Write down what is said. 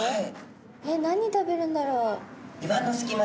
えっ何食べるんだろう？